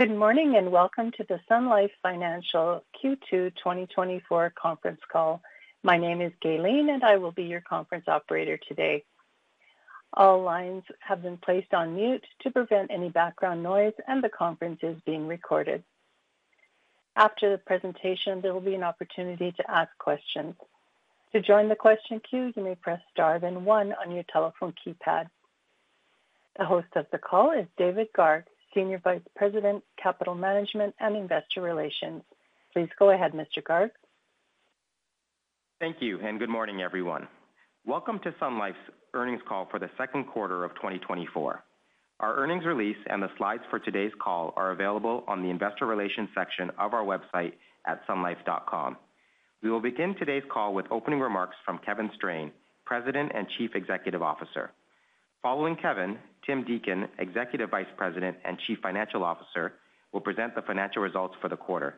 Good morning, and welcome to the Sun Life Financial Q2 2024 conference call. My name is Gaylene, and I will be your conference operator today. All lines have been placed on mute to prevent any background noise, and the conference is being recorded. After the presentation, there will be an opportunity to ask questions. To join the question queue, you may press star then one on your telephone keypad. The host of the call is David Garg, Senior Vice President, Capital Management and Investor Relations. Please go ahead, Mr. Garg. Thank you and good morning, everyone. Welcome to Sun Life's earnings call for the second quarter of 2024. Our earnings release and the slides for today's call are available on the investor relations section of our website at sunlife.com. We will begin today's call with opening remarks from Kevin Strain, President and Chief Executive Officer. Following Kevin, Tim Deacon, Executive Vice President and Chief Financial Officer, will present the financial results for the quarter.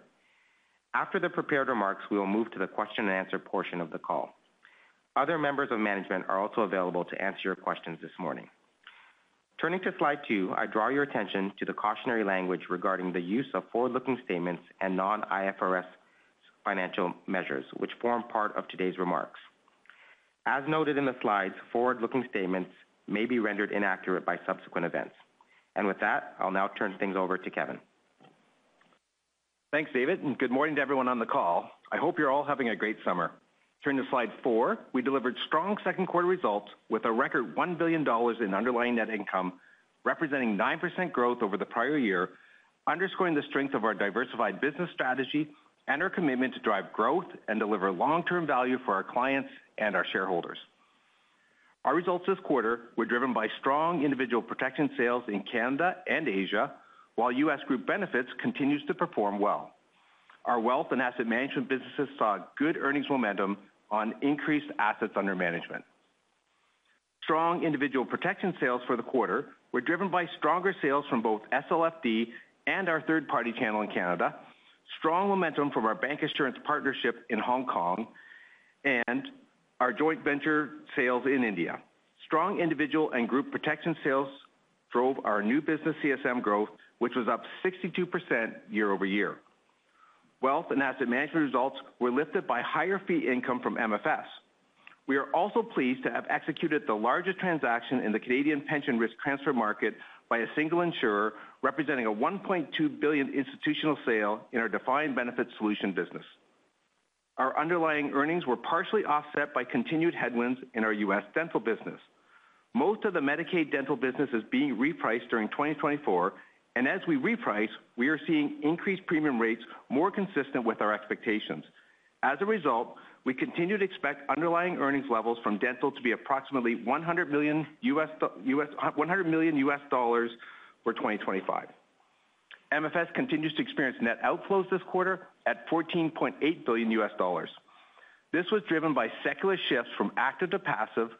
After the prepared remarks, we will move to the question and answer portion of the call. Other members of management are also available to answer your questions this morning. Turning to slide two, I draw your attention to the cautionary language regarding the use of forward-looking statements and non-IFRS financial measures, which form part of today's remarks. As noted in the slides, forward-looking statements may be rendered inaccurate by subsequent events. With that, I'll now turn things over to Kevin. Thanks, David, and good morning to everyone on the call. I hope you're all having a great summer. Turn to slide four. We delivered strong second quarter results with a record 1 billion dollars in underlying net income, representing 9% growth over the prior year, underscoring the strength of our diversified business strategy and our commitment to drive growth and deliver long-term value for our clients and our shareholders. Our results this quarter were driven by strong individual protection sales in Canada and Asia, while U.S. Group Benefits continues to perform well. Our wealth and asset management businesses saw good earnings momentum on increased assets under management. Strong individual protection sales for the quarter were driven by stronger sales from both SLFD and our third-party channel in Canada, strong momentum from our bancassurance partnership in Hong Kong, and our joint venture sales in India. Strong individual and group protection sales drove our new business CSM growth, which was up 62% year-over-year. Wealth and asset management results were lifted by higher fee income from MFS. We are also pleased to have executed the largest transaction in the Canadian pension risk transfer market by a single insurer, representing a 1.2 billion institutional sale in our Defined Benefit Solutions business. Our underlying earnings were partially offset by continued headwinds in our U.S. Dental business. Most of the Medicaid Dental business is being repriced during 2024, and as we reprice, we are seeing increased premium rates more consistent with our expectations. As a result, we continue to expect underlying earnings levels from Dental to be approximately $100 million for 2025. MFS continues to experience net outflows this quarter at $14.8 billion. This was driven by secular shifts from active to passive,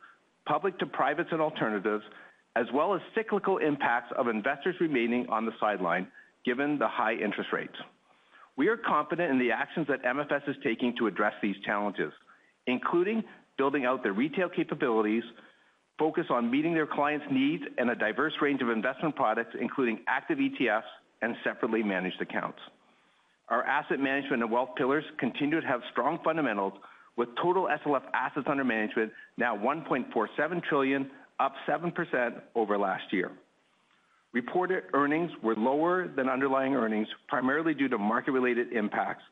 public to privates and alternatives, as well as cyclical impacts of investors remaining on the sideline, given the high interest rates. We are confident in the actions that MFS is taking to address these challenges, including building out their retail capabilities, focus on meeting their clients' needs, and a diverse range of investment products, including active ETFs and separately managed accounts. Our asset management and wealth pillars continue to have strong fundamentals, with total SLF assets under management now 1.47 trillion, up 7% over last year. Reported earnings were lower than underlying earnings, primarily due to market-related impacts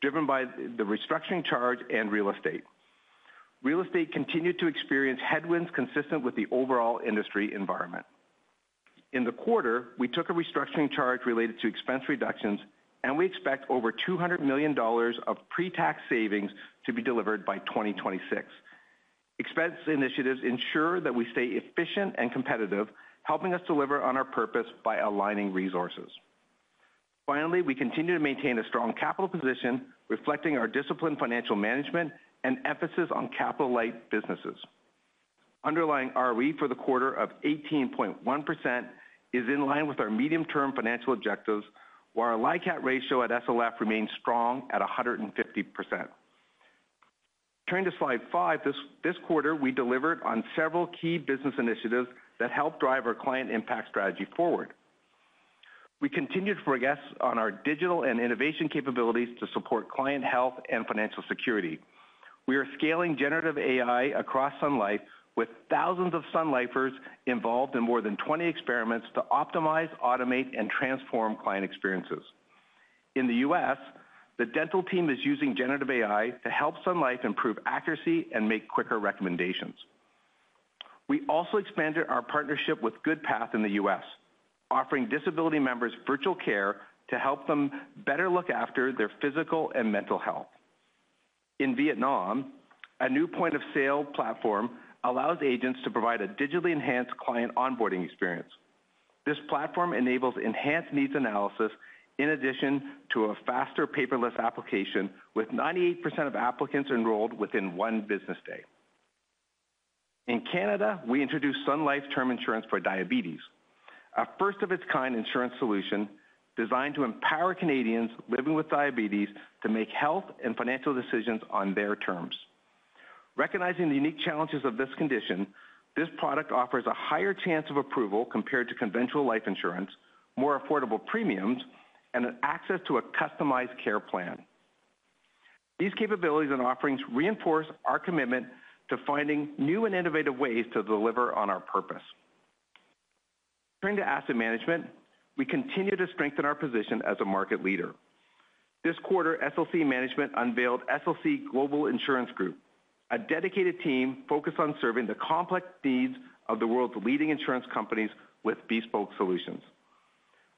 driven by the restructuring charge and real estate. Real estate continued to experience headwinds consistent with the overall industry environment. In the quarter, we took a restructuring charge related to expense reductions, and we expect over 200 million dollars of pre-tax savings to be delivered by 2026. Expense initiatives ensure that we stay efficient and competitive, helping us deliver on our purpose by aligning resources. Finally, we continue to maintain a strong capital position, reflecting our disciplined financial management and emphasis on capital-light businesses. Underlying ROE for the quarter of 18.1% is in line with our medium-term financial objectives, while our LICAT ratio at SLF remains strong at 150%. Turning to slide five, this quarter, we delivered on several key business initiatives that help drive our client impact strategy forward. We continued to progress on our digital and innovation capabilities to support client health and financial security. We are scaling generative AI across Sun Life, with thousands of Sun Lifers involved in more than 20 experiments to optimize, automate, and transform client experiences. In the U.S., the Dental team is using generative AI to help Sun Life improve accuracy and make quicker recommendations. We also expanded our partnership with Goodpath in the U.S., offering disability members virtual care to help them better look after their physical and mental health. In Vietnam, a new point-of-sale platform allows agents to provide a digitally enhanced client onboarding experience. This platform enables enhanced needs analysis in addition to a faster paperless application, with 98% of applicants enrolled within one business day. In Canada, we introduced Sun Life Term Insurance for Diabetes, a first of its kind insurance solution designed to empower Canadians living with diabetes to make health and financial decisions on their terms.... Recognizing the unique challenges of this condition, this product offers a higher chance of approval compared to conventional life insurance, more affordable premiums, and an access to a customized care plan. These capabilities and offerings reinforce our commitment to finding new and innovative ways to deliver on our purpose. Turning to asset management, we continue to strengthen our position as a market leader. This quarter, SLC Management unveiled SLC Global Insurance Group, a dedicated team focused on serving the complex needs of the world's leading insurance companies with bespoke solutions.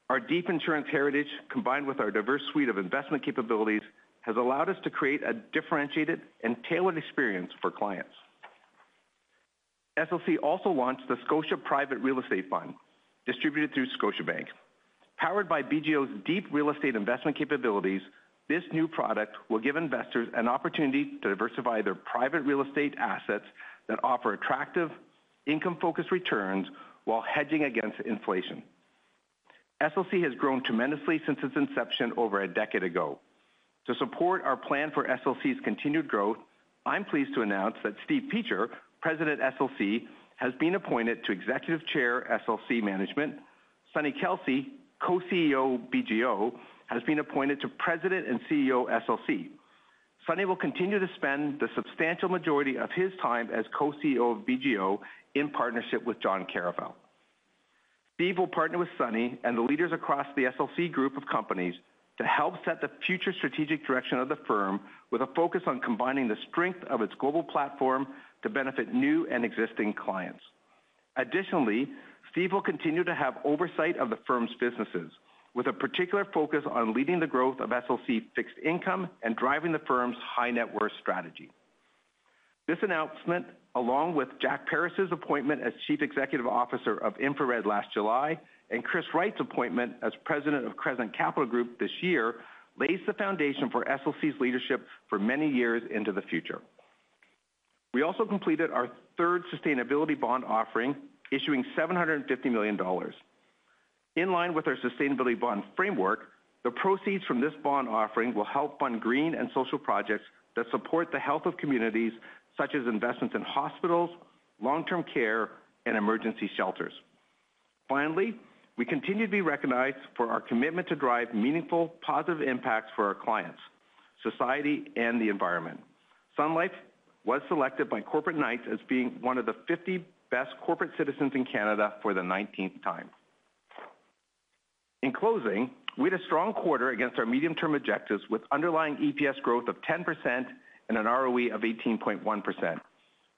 Our deep insurance heritage, combined with our diverse suite of investment capabilities, has allowed us to create a differentiated and tailored experience for clients. SLC also launched the Scotia Private Real Estate Fund, distributed through Scotiabank. Powered by BGO's deep real estate investment capabilities, this new product will give investors an opportunity to diversify their private real estate assets that offer attractive income-focused returns while hedging against inflation. SLC has grown tremendously since its inception over a decade ago. To support our plan for SLC's continued growth, I'm pleased to announce that Steve Peacher, President, SLC, has been appointed to Executive Chair, SLC Management. Sonny Kalsi, Co-CEO, BGO, has been appointed to President and CEO, SLC. Sonny will continue to spend the substantial majority of his time as Co-CEO of BGO in partnership with John Carrafiell. Steve will partner with Sonny and the leaders across the SLC group of companies to help set the future strategic direction of the firm, with a focus on combining the strength of its global platform to benefit new and existing clients. Additionally, Steve will continue to have oversight of the firm's businesses, with a particular focus on leading the growth of SLC fixed income and driving the firm's high net worth strategy. This announcement, along with Jack Paris's appointment as Chief Executive Officer of InfraRed last July, and Chris Wright's appointment as President of Crescent Capital Group this year, lays the foundation for SLC's leadership for many years into the future. We also completed our third sustainability bond offering, issuing 750 million dollars. In line with our sustainability bond framework, the proceeds from this bond offering will help fund green and social projects that support the health of communities, such as investments in hospitals, long-term care, and emergency shelters. Finally, we continue to be recognized for our commitment to drive meaningful, positive impacts for our clients, society, and the environment. Sun Life was selected by Corporate Knights as being one of the 50 best corporate citizens in Canada for the 19th time. In closing, we had a strong quarter against our medium-term objectives, with underlying EPS growth of 10% and an ROE of 18.1%.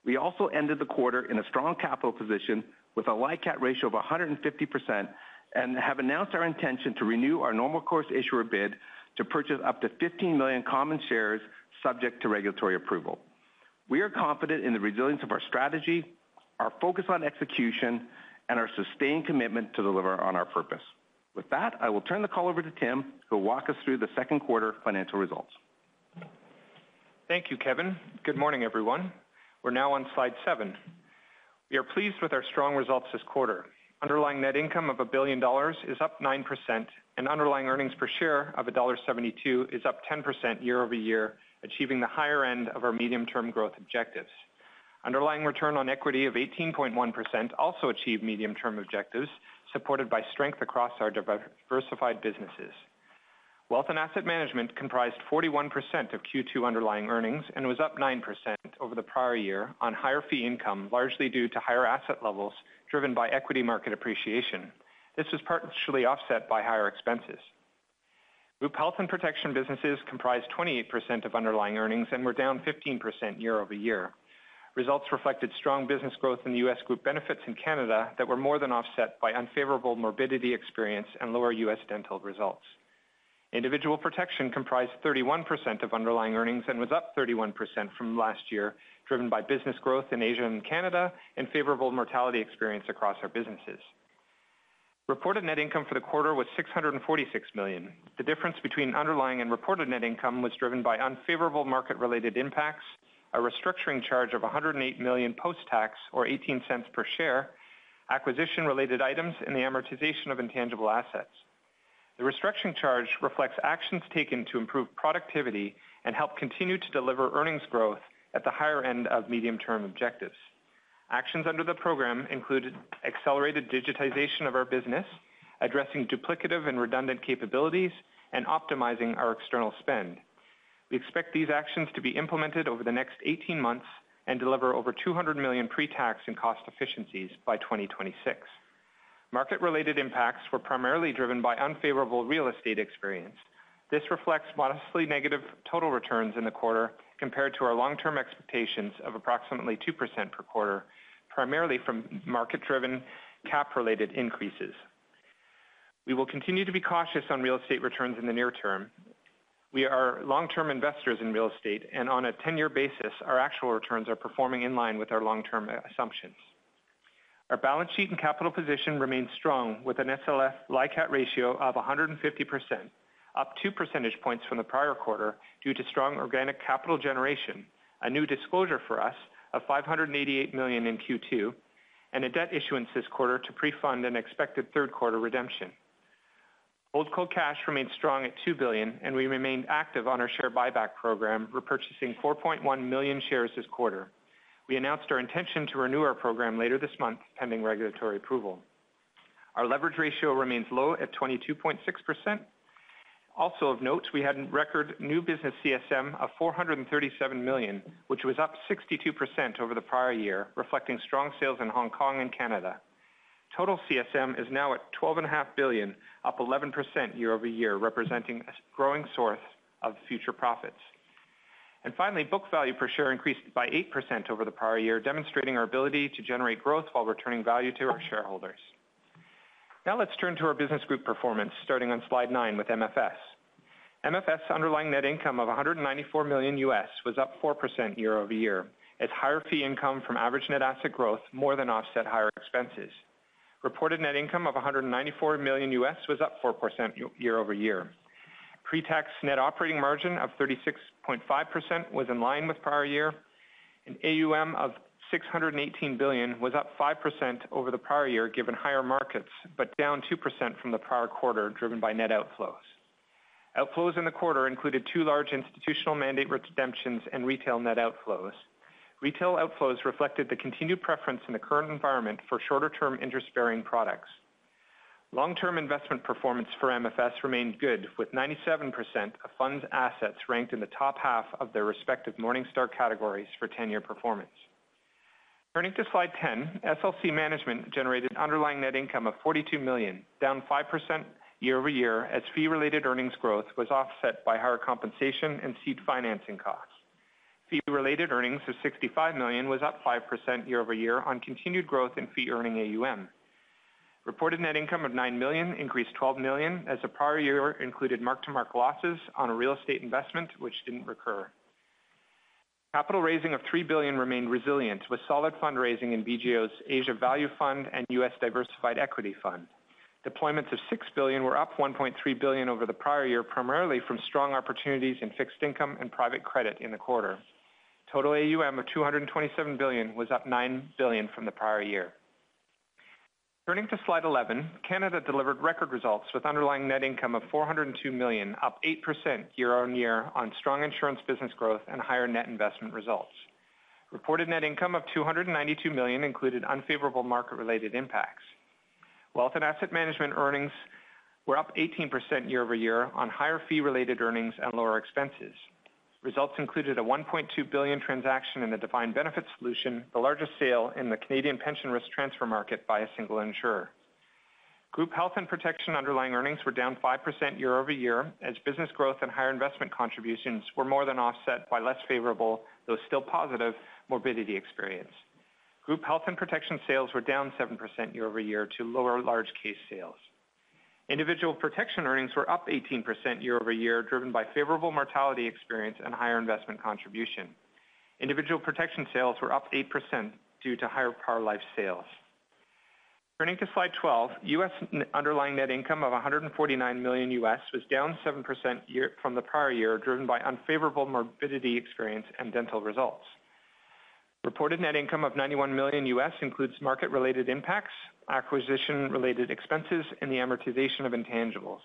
We also ended the quarter in a strong capital position with a LICAT ratio of 150%, and have announced our intention to renew our normal course issuer bid to purchase up to 15 million common shares, subject to regulatory approval. We are confident in the resilience of our strategy, our focus on execution, and our sustained commitment to deliver on our purpose. With that, I will turn the call over to Tim, who will walk us through the second quarter financial results. Thank you, Kevin. Good morning, everyone. We're now on slide seven. We are pleased with our strong results this quarter. Underlying net income of 1 billion dollars is up 9%, and underlying earnings per share of dollar 1.72 is up 10% year-over-year, achieving the higher end of our medium-term growth objectives. Underlying return on equity of 18.1% also achieved medium-term objectives, supported by strength across our diversified businesses. Wealth and asset management comprised 41% of Q2 underlying earnings and was up 9% over the prior year on higher fee income, largely due to higher asset levels driven by equity market appreciation. This was partially offset by higher expenses. Group Health and Protection businesses comprised 28% of underlying earnings and were down 15% year-over-year. Results reflected strong business growth in the U.S. Group Benefits in Canada that were more than offset by unfavorable morbidity experience and lower U.S. Dental results. Individual Protection comprised 31% of underlying earnings and was up 31% from last year, driven by business growth in Asia and Canada and favorable mortality experience across our businesses. Reported net income for the quarter was 646 million. The difference between underlying and reported net income was driven by unfavorable market-related impacts, a restructuring charge of 108 million post-tax, or 0.18 per share, acquisition-related items, and the amortization of intangible assets. The restructuring charge reflects actions taken to improve productivity and help continue to deliver earnings growth at the higher end of medium-term objectives. Actions under the program included accelerated digitization of our business, addressing duplicative and redundant capabilities, and optimizing our external spend. We expect these actions to be implemented over the next 18 months and deliver over 200 million pre-tax in cost efficiencies by 2026. Market-related impacts were primarily driven by unfavorable real estate experience. This reflects modestly negative total returns in the quarter compared to our long-term expectations of approximately 2% per quarter, primarily from market-driven cap-related increases. We will continue to be cautious on real estate returns in the near term. We are long-term investors in real estate, and on a 10-year basis, our actual returns are performing in line with our long-term assumptions. Our balance sheet and capital position remains strong, with an SLF LICAT ratio of 150%, up two percentage points from the prior quarter due to strong organic capital generation, a new disclosure for us of 588 million in Q2, and a debt issuance this quarter to pre-fund an expected third quarter redemption. Holdco cash remained strong at 2 billion, and we remained active on our share buyback program, repurchasing 4.1 million shares this quarter. We announced our intention to renew our program later this month, pending regulatory approval. Our leverage ratio remains low at 22.6%. Also of note, we had record new business CSM of 437 million, which was up 62% over the prior year, reflecting strong sales in Hong Kong and Canada. Total CSM is now at 12.5 billion, up 11% year-over-year, representing a growing source of future profits. Finally, book value per share increased by 8% over the prior year, demonstrating our ability to generate growth while returning value to our shareholders. Now let's turn to our business group performance, starting on slide nine with MFS. MFS underlying net income of $194 million was up 4% year-over-year, as higher fee income from average net asset growth more than offset higher expenses. Reported net income of $194 million was up 4% year-over-year. Pre-tax net operating margin of 36.5% was in line with prior year, and AUM of 618 billion was up 5% over the prior year, given higher markets, but down 2% from the prior quarter, driven by net outflows. Outflows in the quarter included two large institutional mandate redemptions and retail net outflows. Retail outflows reflected the continued preference in the current environment for shorter-term interest bearing products. Long-term investment performance for MFS remained good, with 97% of funds assets ranked in the top half of their respective Morningstar categories for 10-year performance. Turning to slide 10, SLC Management generated underlying net income of 42 million, down 5% year-over-year, as fee-related earnings growth was offset by higher compensation and seed financing costs. Fee related earnings of 65 million was up 5% year-over-year on continued growth in fee earning AUM. Reported net income of 9 million increased 12 million, as the prior year included mark-to-market losses on a real estate investment, which didn't recur. Capital raising of 3 billion remained resilient, with solid fundraising in BGO's Asia Value Fund and U.S. Diversified Equity Fund. Deployments of 6 billion were up 1.3 billion over the prior year, primarily from strong opportunities in fixed income and private credit in the quarter. Total AUM of 227 billion was up 9 billion from the prior year. Turning to slide 11, Canada delivered record results with underlying net income of 402 million, up 8% year-over-year on strong insurance business growth and higher net investment results. Reported net income of 292 million included unfavorable market-related impacts. Wealth and asset management earnings were up 18% year-over-year on higher fee-related earnings and lower expenses. Results included a 1.2 billion transaction in the Defined Benefit Solutions, the largest sale in the Canadian pension risk transfer market by a single insurer. Group Health and Protection underlying earnings were down 5% year-over-year, as business growth and higher investment contributions were more than offset by less favorable, though still positive, morbidity experience. Group Health and Protection sales were down 7% year-over-year to lower large case sales. Individual Protection earnings were up 18% year-over-year, driven by favorable mortality experience and higher investment contribution. Individual protection sales were up 8% due to higher Par Life sales. Turning to slide 12, U.S. underlying net income of $149 million was down 7% year-over-year from the prior year, driven by unfavorable morbidity experience and Dental results. Reported net income of $91 million includes market related impacts, acquisition related expenses, and the amortization of intangibles.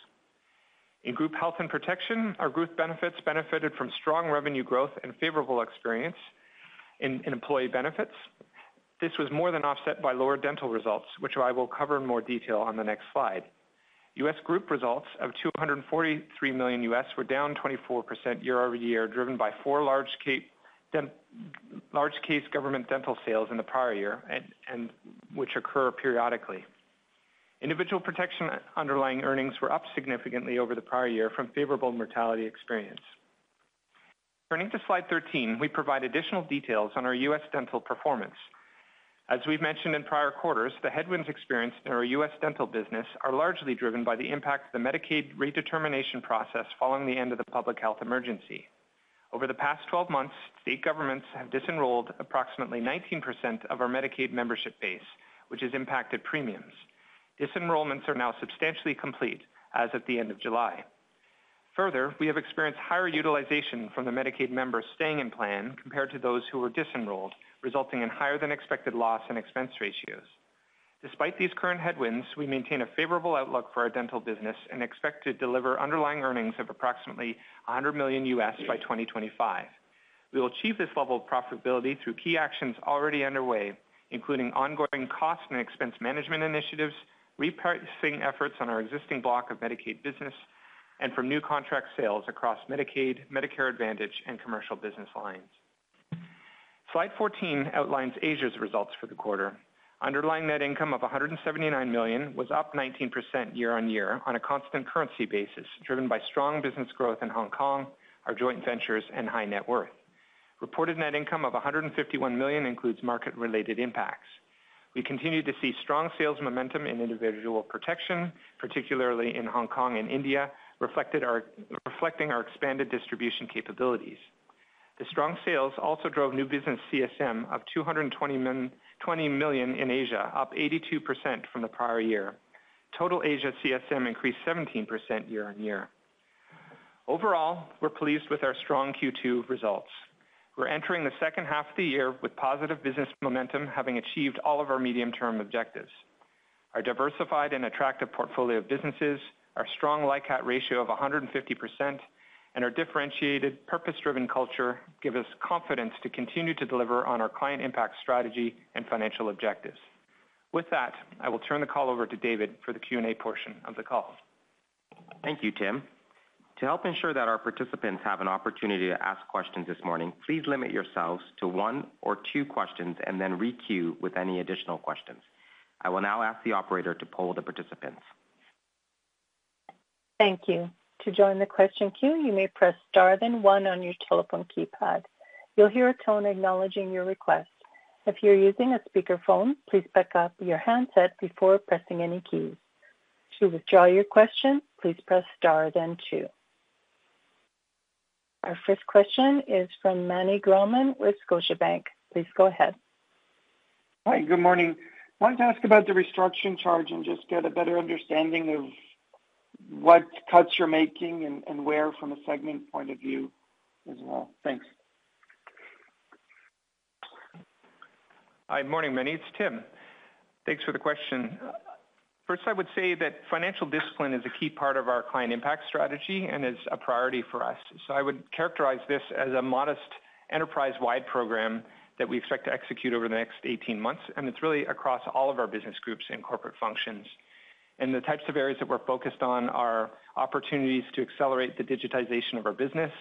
In Group Health and Protection, our group benefits benefited from strong revenue growth and favorable experience in employee benefits. This was more than offset by lower Dental results, which I will cover in more detail on the next slide. U.S group results of $243 million were down 24% year-over-year, driven by four large case government Dental sales in the prior year and which occur periodically. Individual Protection underlying earnings were up significantly over the prior year from favorable mortality experience. Turning to slide 13, we provide additional details on our U.S. Dental performance. As we've mentioned in prior quarters, the headwinds experienced in our U.S. Dental business are largely driven by the impact of the Medicaid redetermination process following the end of the public health emergency. Over the past 12 months, state governments have disenrolled approximately 19% of our Medicaid membership base, which has impacted premiums. Disenrollments are now substantially complete as of the end of July. Further, we have experienced higher utilization from the Medicaid members staying in plan compared to those who were disenrolled, resulting in higher than expected loss and expense ratios. Despite these current headwinds, we maintain a favorable outlook for our Dental business and expect to deliver underlying earnings of approximately $100 million by 2025. We will achieve this level of profitability through key actions already underway, including ongoing cost and expense management initiatives, repricing efforts on our existing block of Medicaid business, and from new contract sales across Medicaid, Medicare Advantage, and commercial business lines. Slide 14 outlines Asia's results for the quarter. Underlying net income of 179 million was up 19% year-on-year on a constant currency basis, driven by strong business growth in Hong Kong, our joint ventures, and high net worth. Reported net income of 151 million includes market related impacts. We continued to see strong sales momentum in individual protection, particularly in Hong Kong and India, reflecting our expanded distribution capabilities. The strong sales also drove new business CSM of 220 million in Asia, up 82% from the prior year. Total Asia CSM increased 17% year-over-year. Overall, we're pleased with our strong Q2 results. We're entering the second half of the year with positive business momentum, having achieved all of our medium-term objectives. Our diversified and attractive portfolio of businesses, our strong LICAT ratio of 150%, and our differentiated, purpose-driven culture give us confidence to continue to deliver on our client impact strategy and financial objectives. With that, I will turn the call over to David for the Q and A portion of the call. Thank you, Tim. To help ensure that our participants have an opportunity to ask questions this morning, please limit yourselves to one or two questions and then requeue with any additional questions. I will now ask the operator to poll the participants. Thank you. To join the question queue, you may press star, then one on your telephone keypad. You'll hear a tone acknowledging your request. If you're using a speakerphone, please pick up your handset before pressing any keys. To withdraw your question, please press star, then two. Our first question is from Meny Grauman with Scotiabank. Please go ahead. Hi, good morning. Wanted to ask about the restructuring charge and just get a better understanding of what cuts you're making and where from a segment point of view as well. Thanks. Hi, morning, Meny, it's Tim. Thanks for the question. First, I would say that financial discipline is a key part of our client impact strategy and is a priority for us. So I would characterize this as a modest enterprise-wide program that we expect to execute over the next 18 months, and it's really across all of our business groups and corporate functions. And the types of areas that we're focused on are opportunities to accelerate the digitization of our business,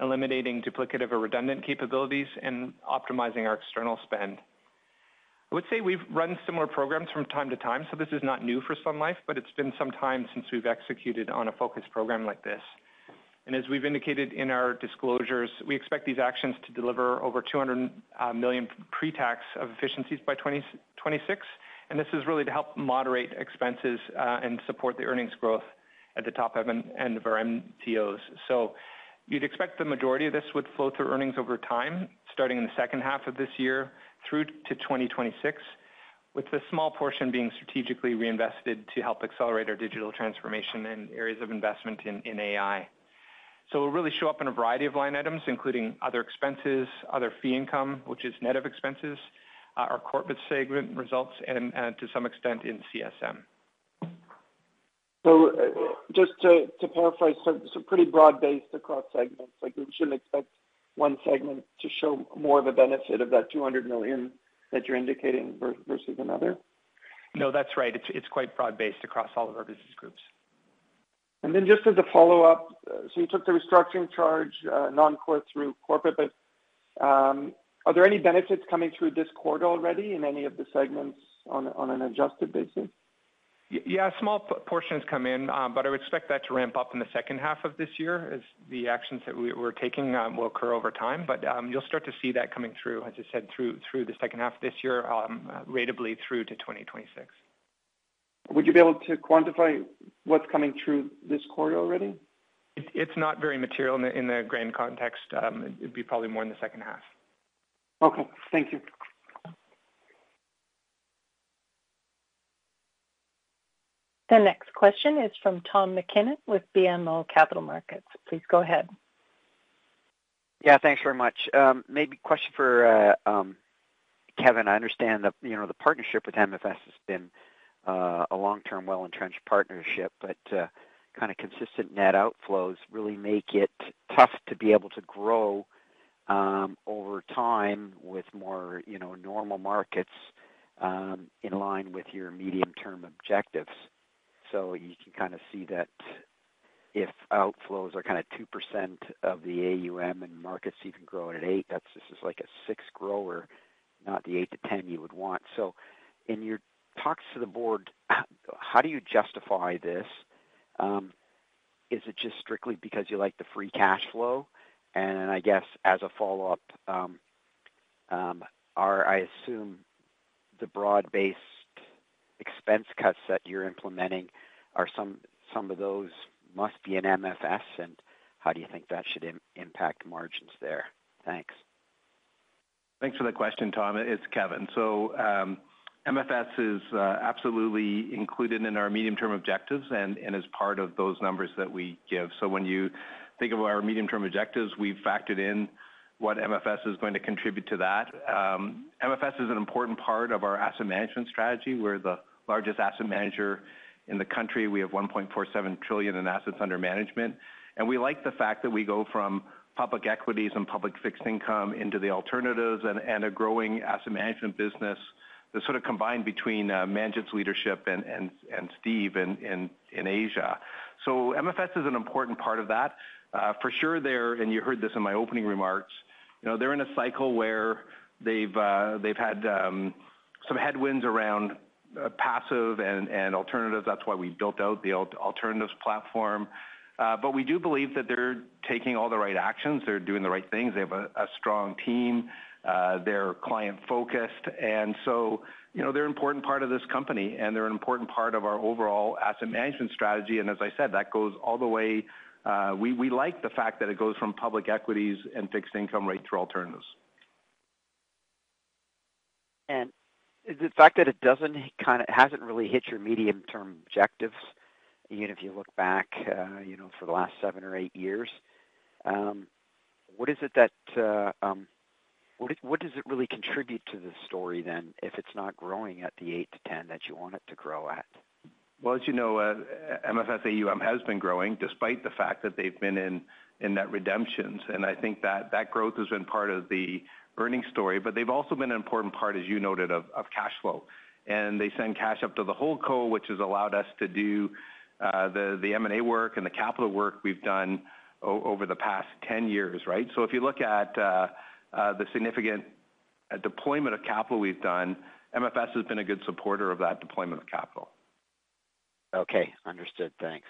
eliminating duplicative or redundant capabilities, and optimizing our external spend. I would say we've run similar programs from time to time, so this is not new for Sun Life, but it's been some time since we've executed on a focused program like this. And as we've indicated in our disclosures, we expect these actions to deliver over 200 million pretax of efficiencies by 2026, and this is really to help moderate expenses, and support the earnings growth at the top end of our MTOs. So you'd expect the majority of this would flow through earnings over time, starting in the second half of this year through to 2026, with the small portion being strategically reinvested to help accelerate our digital transformation in areas of investment in, in AI. So it will really show up in a variety of line items, including other expenses, other fee income, which is net of expenses, our corporate segment results, and, and to some extent in CSM. So just to paraphrase, pretty broad-based across segments. Like, we shouldn't expect one segment to show more of a benefit of that 200 million that you're indicating versus another? No, that's right. It's quite broad-based across all of our business groups. Then just as a follow-up, so you took the restructuring charge, non-core through corporate, but are there any benefits coming through this quarter already in any of the segments on an adjusted basis? Yeah, small portions come in, but I would expect that to ramp up in the second half of this year as the actions that we're taking will occur over time. But you'll start to see that coming through, as I said, through the second half of this year, ratably through to 2026. Would you be able to quantify what's coming through this quarter already? It's not very material in the grand context. It'd be probably more in the second half. Okay. Thank you. The next question is from Tom MacKinnon with BMO Capital Markets. Please go ahead. Yeah, thanks very much. Maybe question for Kevin. I understand that, you know, the partnership with MFS has been a long-term, well-entrenched partnership, but kind of consistent net outflows really make it tough to be able to grow over time with more, you know, normal markets in line with your medium-term objectives. So you can kind of see that if outflows are kind of 2% of the AUM and markets even growing at 8%, that's just like a sixth grower, not the 8%-10% you would want. So in your talks to the board, how do you justify this? Is it just strictly because you like the free cash flow? And then I guess as a follow-up, are... I assume the broad-based expense cuts that you're implementing, some of those must be in MFS, and how do you think that should impact margins there? Thanks. Thanks for the question, Tom. It's Kevin. So, MFS is absolutely included in our medium-term objectives and as part of those numbers that we give. So when you think of our medium-term objectives, we've factored in what MFS is going to contribute to that. MFS is an important part of our asset management strategy. We're the largest asset manager in the country. We have 1.47 trillion in assets under management, and we like the fact that we go from public equities and public fixed income into the alternatives and a growing asset management business that sort of combined between management's leadership and Steve in Asia. So MFS is an important part of that. For sure, they're, and you heard this in my opening remarks, you know, they're in a cycle where they've they've had some headwinds around passive and alternatives. That's why we built out the alternatives platform. But we do believe that they're taking all the right actions. They're doing the right things. They have a strong team, they're client-focused, and so, you know, they're an important part of this company, and they're an important part of our overall asset management strategy, and as I said, that goes all the way. We like the fact that it goes from public equities and fixed income right to alternatives.... is the fact that it doesn't kind of hasn't really hit your medium-term objectives, even if you look back, you know, for the last seven or eight years, what does it really contribute to this story then, if it's not growing at the 8%-10% that you want it to grow at? Well, as you know, MFS AUM has been growing despite the fact that they've been in net redemptions, and I think that that growth has been part of the earnings story. But they've also been an important part, as you noted, of cash flow. And they send cash up to the whole co, which has allowed us to do the M&A work and the capital work we've done over the past 10 years, right? So if you look at the significant deployment of capital we've done, MFS has been a good supporter of that deployment of capital. Okay, understood. Thanks.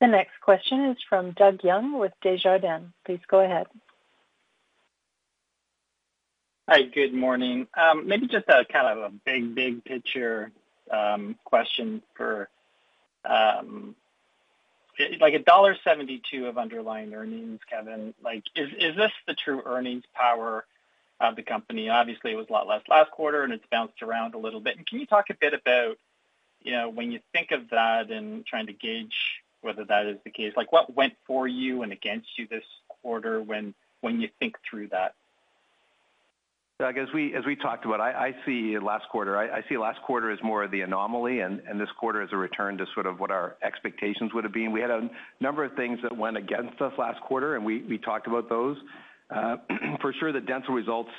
The next question is from Doug Young with Desjardins. Please go ahead. Hi, good morning. Maybe just a kind of a big, big picture question for... Like, dollar 1.72 of underlying earnings, Kevin, like, is, is this the true earnings power of the company? Obviously, it was a lot less last quarter, and it's bounced around a little bit. Can you talk a bit about, you know, when you think of that and trying to gauge whether that is the case, like, what went for you and against you this quarter when, when you think through that? Doug, as we talked about, I see last quarter as more of the anomaly, and this quarter as a return to sort of what our expectations would have been. We had a number of things that went against us last quarter, and we talked about those. For sure, the Dental results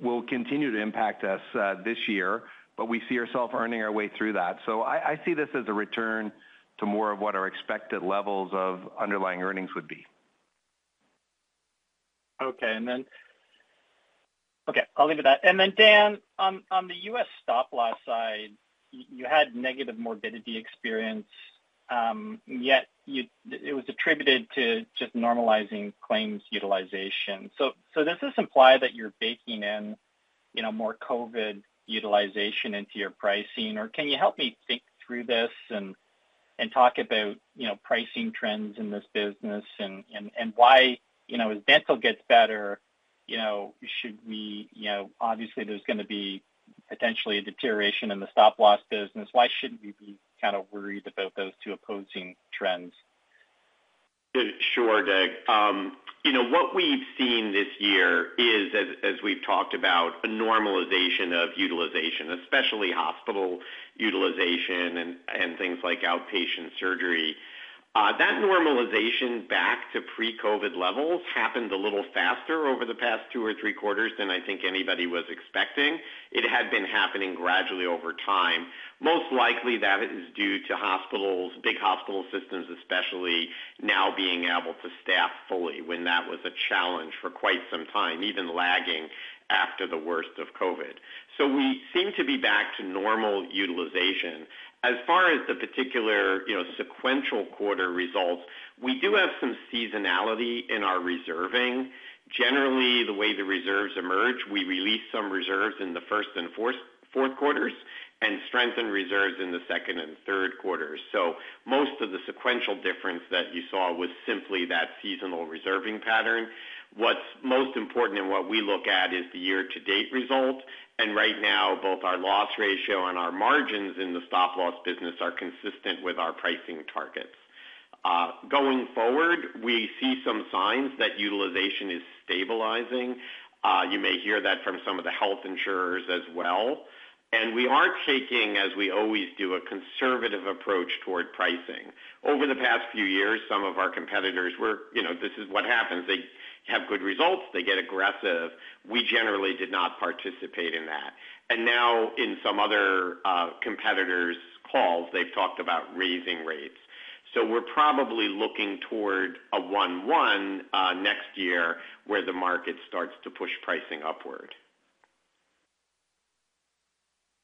will continue to impact us this year, but we see ourselves earning our way through that. So I see this as a return to more of what our expected levels of underlying earnings would be. Okay, and then... Okay, I'll leave it at that. And then, Dan, on the U.S. stop-loss side, you had negative morbidity experience, yet you—it was attributed to just normalizing claims utilization. So, does this imply that you're baking in, you know, more COVID utilization into your pricing? Or can you help me think through this and talk about, you know, pricing trends in this business and why, you know, as Dental gets better, you know, should we, you know, obviously, there's going to be potentially a deterioration in the stop-loss business. Why shouldn't we be kind of worried about those two opposing trends? Sure, Doug. You know, what we've seen this year is, as we've talked about, a normalization of utilization, especially hospital utilization and things like outpatient surgery. That normalization back to pre-COVID levels happened a little faster over the past two or three quarters than I think anybody was expecting. It had been happening gradually over time. Most likely, that is due to hospitals, big hospital systems, especially now being able to staff fully, when that was a challenge for quite some time, even lagging after the worst of COVID. So we seem to be back to normal utilization. As far as the particular, you know, sequential quarter results, we do have some seasonality in our reserving. Generally, the way the reserves emerge, we release some reserves in the first and fourth quarters and strengthen reserves in the second and third quarters. So most of the sequential difference that you saw was simply that seasonal reserving pattern. What's most important and what we look at is the year-to-date result, and right now, both our loss ratio and our margins in the stop-loss business are consistent with our pricing targets. Going forward, we see some signs that utilization is stabilizing. You may hear that from some of the health insurers as well, and we are taking, as we always do, a conservative approach toward pricing. Over the past few years, some of our competitors were, you know, this is what happens. They have good results, they get aggressive. We generally did not participate in that. And now, in some other competitors' calls, they've talked about raising rates. So we're probably looking toward a 1-1 next year, where the market starts to push pricing upward.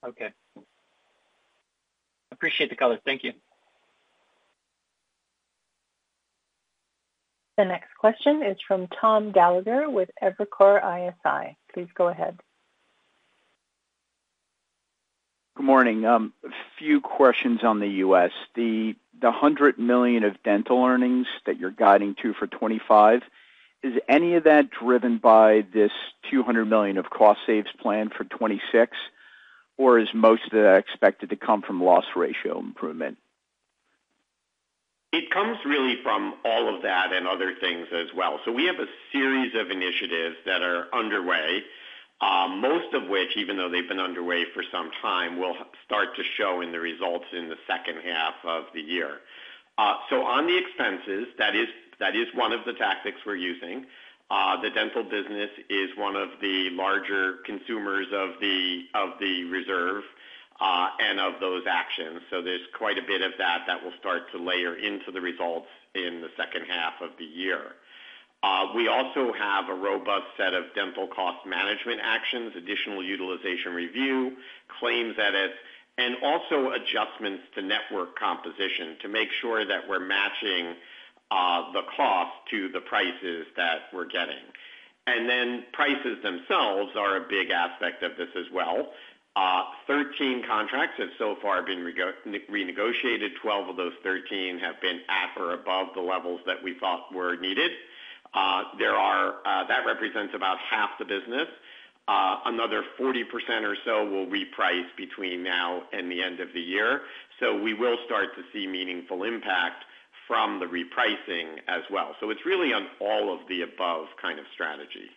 Okay. Appreciate the color. Thank you. The next question is from Tom Gallagher with Evercore ISI. Please go ahead. Good morning. A few questions on the USD. The $100 million of Dental earnings that you're guiding to for 2025, is any of that driven by this 200 million of cost savings planned for 2026, or is most of that expected to come from loss ratio improvement? It comes really from all of that and other things as well. So we have a series of initiatives that are underway, most of which, even though they've been underway for some time, will start to show in the results in the second half of the year. So on the expenses, that is, that is one of the tactics we're using. The Dental business is one of the larger consumers of the, of the reserve, and of those actions. So there's quite a bit of that that will start to layer into the results in the second half of the year. We also have a robust set of Dental cost management actions, additional utilization review, claims edits, and also adjustments to network composition to make sure that we're matching, the cost to the prices we're getting. And then prices themselves are a big aspect of this as well. 13 contracts have so far been renegotiated. 12 of those 13 have been at or above the levels that we thought were needed. That represents about half the business. Another 40% or so will reprice between now and the end of the year. So we will start to see meaningful impact from the repricing as well. So it's really an all-of-the-above kind of strategy.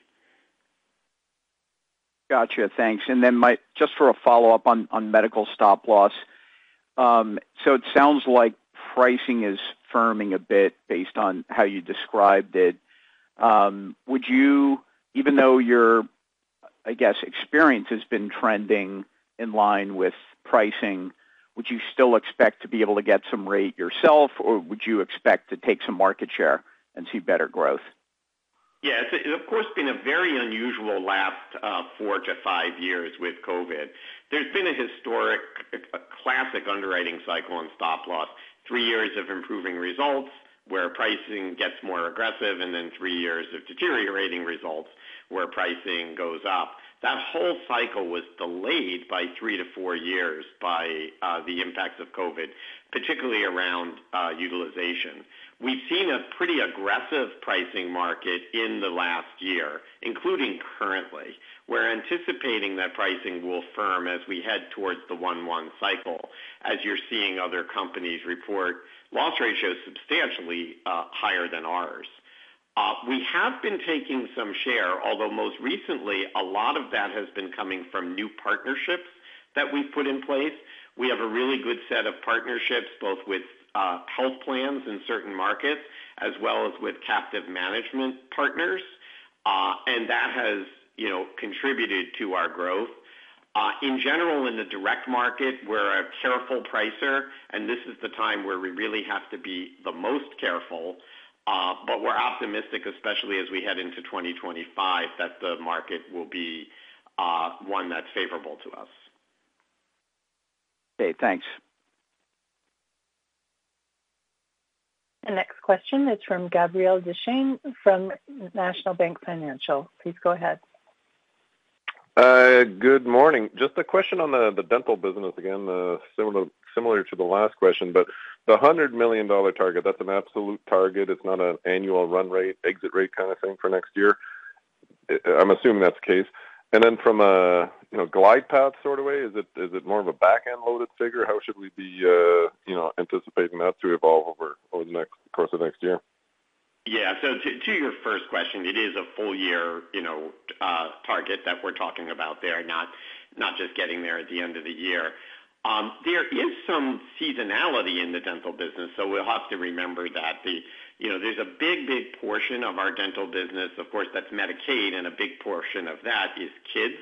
Got you. Thanks. And then my just for a follow-up on medical stop loss. So it sounds like pricing is firming a bit based on how you described it. Would you, even though your, I guess, experience has been trending in line with pricing, would you still expect to be able to get some rate yourself, or would you expect to take some market share and see better growth? Yeah, it's, of course, been a very unusual last four to five years with COVID. There's been a historic, classic underwriting cycle and stop loss. Three years of improving results, where pricing gets more aggressive, and then three years of deteriorating results, where pricing goes up. That whole cycle was delayed by three to four years by the impacts of COVID, particularly around utilization. We've seen a pretty aggressive pricing market in the last year, including currently. We're anticipating that pricing will firm as we head towards the 1/1 cycle, as you're seeing other companies report loss ratios substantially higher than ours. We have been taking some share, although most recently, a lot of that has been coming from new partnerships that we've put in place. We have a really good set of partnerships, both with, health plans in certain markets, as well as with captive management partners, and that has, you know, contributed to our growth. In general, in the direct market, we're a careful pricer, and this is the time where we really have to be the most careful. But we're optimistic, especially as we head into 2025, that the market will be, one that's favorable to us. Okay, thanks. The next question is from Gabriel Dechaine, from National Bank Financial. Please go ahead. Good morning. Just a question on the Dental business again, similar to the last question, but the $100 million target, that's an absolute target. It's not an annual run rate, exit rate kind of thing for next year? I'm assuming that's the case. And then from a, you know, glide path sort of way, is it more of a back-end-loaded figure? How should we be, you know, anticipating that to evolve over the course of next year? Yeah. So to, to your first question, it is a full year, you know, target that we're talking about there, not, not just getting there at the end of the year. There is some seasonality in the Dental business, so we'll have to remember that the... You know, there's a big, big portion of our Dental business, of course, that's Medicaid, and a big portion of that is kids.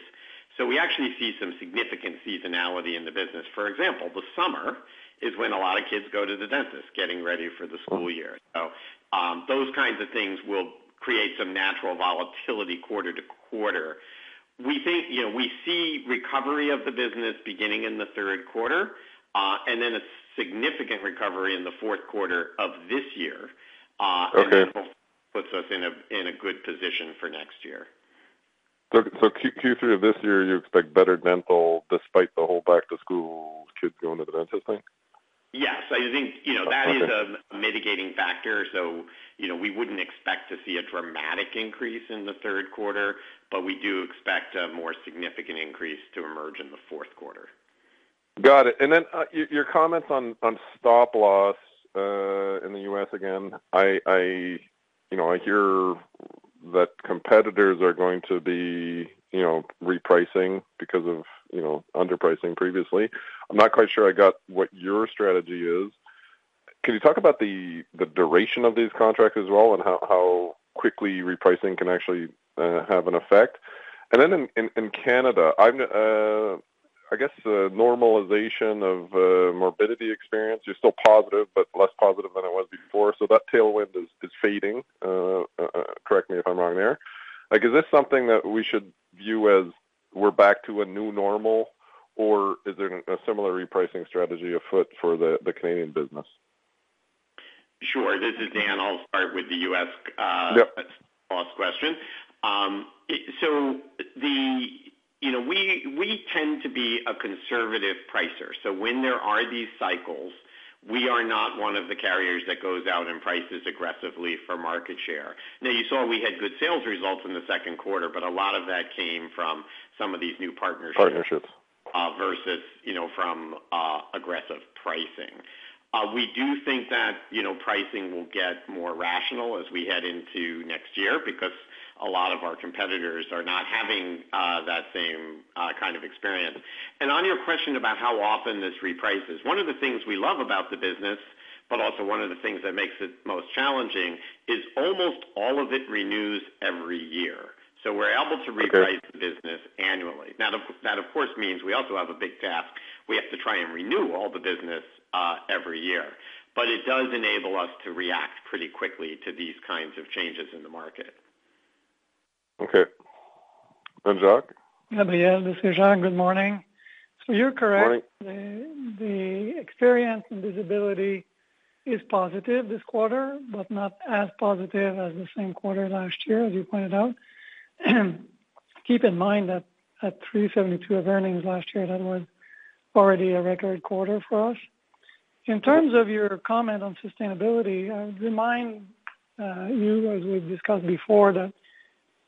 So we actually see some significant seasonality in the business. For example, the summer is when a lot of kids go to the dentist, getting ready for the school year. So, those kinds of things will create some natural volatility quarter to quarter. We think, you know, we see recovery of the business beginning in the third quarter, and then a significant recovery in the fourth quarter of this year. Okay. That puts us in a good position for next year. So Q3 of this year, you expect better Dental despite the whole back-to-school, kids going to the dentist thing? Yes, I think, you know, that is a mitigating factor. So, you know, we wouldn't expect to see a dramatic increase in the third quarter, but we do expect a more significant increase to emerge in the fourth quarter. Got it. And then, your comments on stop-loss in the U.S. again, you know, I hear that competitors are going to be, you know, repricing because of, you know, underpricing previously. I'm not quite sure I got what your strategy is. Can you talk about the duration of these contracts as well, and how quickly repricing can actually have an effect? And then in Canada, I guess, the normalization of morbidity experience, you're still positive, but less positive than it was before. So that tailwind is fading. Correct me if I'm wrong there. Like, is this something that we should view as we're back to a new normal, or is there a similar repricing strategy afoot for the Canadian business? Sure. This is Dan. I'll start with the U.S., Yep. Stop-loss question. So the... You know, we, we tend to be a conservative pricer. So when there are these cycles, we are not one of the carriers that goes out and prices aggressively for market share. Now, you saw we had good sales results in the second quarter, but a lot of that came from some of these new partnerships- Partnerships. versus, you know, from aggressive pricing. We do think that, you know, pricing will get more rational as we head into next year because a lot of our competitors are not having that same kind of experience. On your question about how often this reprices, one of the things we love about the business, but also one of the things that makes it most challenging, is almost all of it renews every year. Okay. So we're able to reprice the business annually. Now, that, of course, means we also have a big task. We have to try and renew all the business every year, but it does enable us to react pretty quickly to these kinds of changes in the market. Okay. And then Jacques? Yeah, this is Jacques. Good morning. So you're correct. Morning. The experience and visibility is positive this quarter, but not as positive as the same quarter last year, as you pointed out. Keep in mind that at 372 million of earnings last year, that was already a record quarter for us. In terms of your comment on sustainability, I would remind you, as we've discussed before, that,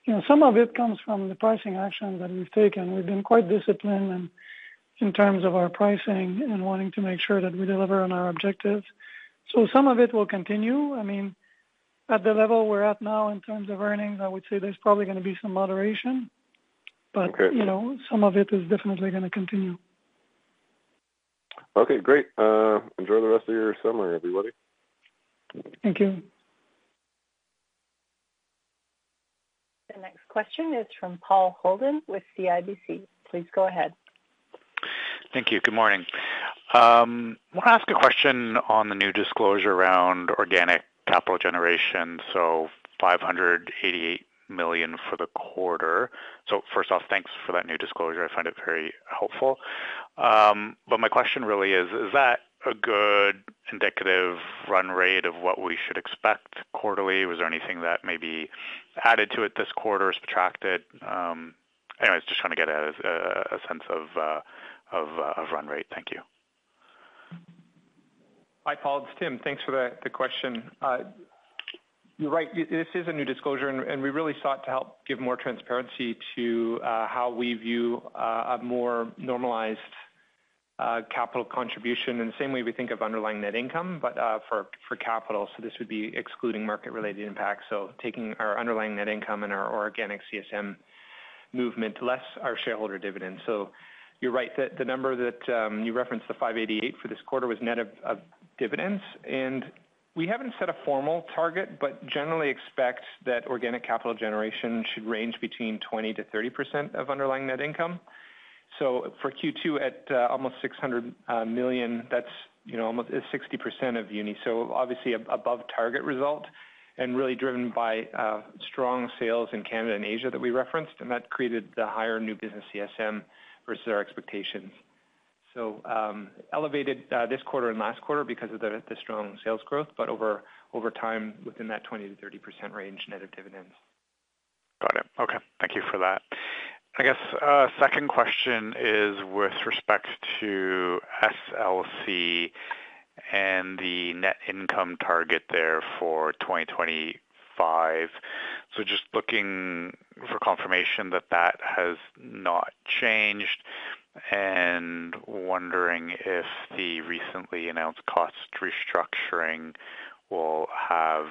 you know, some of it comes from the pricing actions that we've taken. We've been quite disciplined in terms of our pricing and wanting to make sure that we deliver on our objectives. So some of it will continue. I mean, at the level we're at now, in terms of earnings, I would say there's probably going to be some moderation, but- Okay. You know, some of it is definitely going to continue. Okay, great. Enjoy the rest of your summer, everybody. Thank you. The next question is from Paul Holden with CIBC. Please go ahead. Thank you. Good morning. Want to ask a question on the new disclosure around organic capital generation, so 588 million for the quarter. So first off, thanks for that new disclosure. I find it very helpful. But my question really is, is that a good indicative run rate of what we should expect quarterly? Was there anything that may be added to it this quarter or subtracted? Anyways, just trying to get a sense of run rate. Thank you. Hi, Paul, it's Tim. Thanks for the question. You're right, this is a new disclosure, and we really sought to help give more transparency to how we view a more normalized capital contribution in the same way we think of underlying net income, but for capital. So this would be excluding market-related impacts. So taking our underlying net income and our organic CSM movement, less our shareholder dividends. So you're right, the number that you referenced, the 588 million for this quarter, was net of dividends, and we haven't set a formal target, but generally expect that organic capital generation should range between 20%-30% of underlying net income. So for Q2, at almost 600 million, that's, you know, almost 60% of UNI. So obviously, above target result and really driven by strong sales in Canada and Asia that we referenced, and that created the higher new business CSM versus our expectations. So, elevated this quarter and last quarter because of the strong sales growth, but over time, within that 20%-30% range, net of dividends. Got it. Okay. Thank you for that. I guess, second question is with respect to SLC and the net income target there for 2025. So just looking for confirmation that that has not changed, and wondering if the recently announced cost restructuring will have,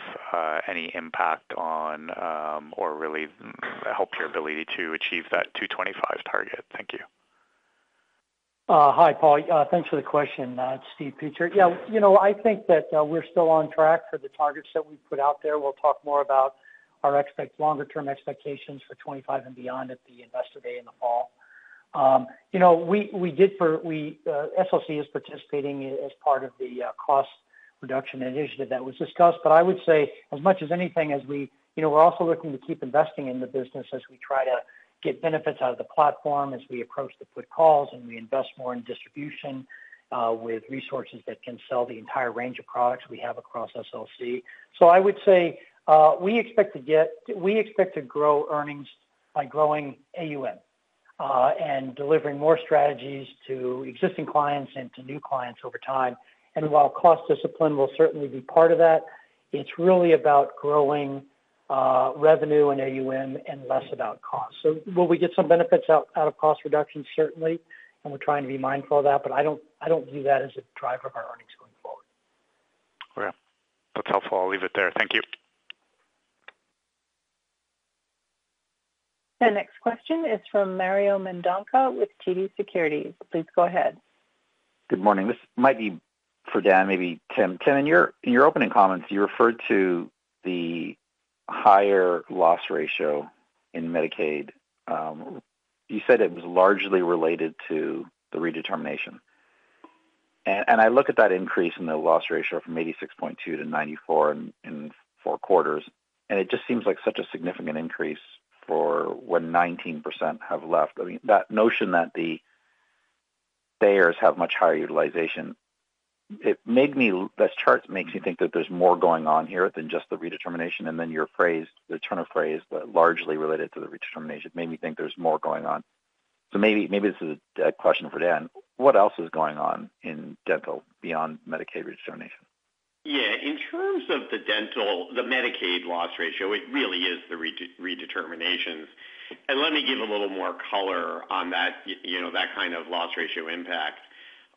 any impact on, or really help your ability to achieve that 2025 target. Thank you. Hi, Paul. Thanks for the question. Steve Peacher. Yeah, you know, I think that we're still on track for the targets that we've put out there. We'll talk more about our expect- longer-term expectations for 2025 and beyond at the Investor Day in the fall. You know, we, SLC is participating as part of the cost reduction initiative that was discussed. But I would say, as much as anything, as we... You know, we're also looking to keep investing in the business as we try to get benefits out of the platform, as we approach the put calls, and we invest more in distribution with resources that can sell the entire range of products we have across SLC. So I would say, we expect to grow earnings by growing AUM, and delivering more strategies to existing clients and to new clients over time. And while cost discipline will certainly be part of that, it's really about growing revenue and AUM and less about cost. So will we get some benefits out of cost reduction? Certainly, and we're trying to be mindful of that, but I don't view that as a driver of our earnings going forward. Okay. That's helpful. I'll leave it there. Thank you. The next question is from Mario Mendonca with TD Securities. Please go ahead. Good morning. This might be for Dan, maybe Tim. Tim, in your opening comments, you referred to the higher loss ratio in Medicaid. You said it was largely related to the redetermination. And I look at that increase in the loss ratio from 86.2% to 94% in four quarters, and it just seems like such a significant increase for when 19% have left. I mean, that notion that the payers have much higher utilization, it made me—this chart makes me think that there's more going on here than just the redetermination, and then your phrase, the turn of phrase, but largely related to the redetermination, made me think there's more going on. So maybe this is a question for Dan: What else is going on in Dental beyond Medicaid redetermination? Yeah, in terms of the Dental, the Medicaid loss ratio, it really is the redeterminations. And let me give a little more color on that, you know, that kind of loss ratio impact.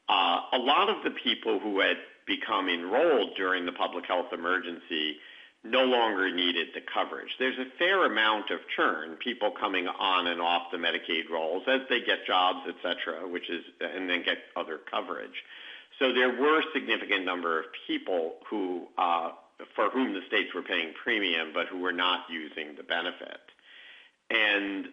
A lot of the people who had become enrolled during the public health emergency no longer needed the coverage. There's a fair amount of churn, people coming on and off the Medicaid rolls as they get jobs, et cetera, which is... and then get other coverage. So there were a significant number of people who, for whom the states were paying premium but who were not using the benefit.... And,